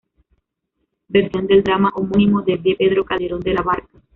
Versión del drama homónimo de D. Pedro Calderón de la Barca.